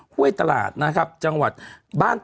ห้วยตลาดนะครับ